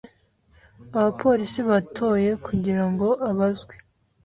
Abapolisi batoye kugira ngo abazwe.